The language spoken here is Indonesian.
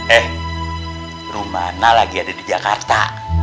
eh rumana lagi ada di jakarta